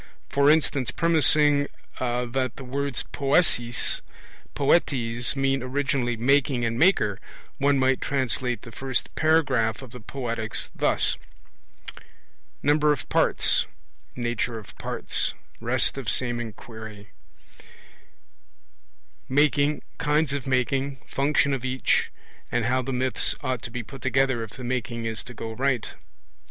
For instance, premising that the words poesis, poetes mean originally 'making' and 'maker', one might translate the first paragraph of the Poetics thus: MAKING: kinds of making: function of each, and how the Myths ought to be put together if the Making is to go right.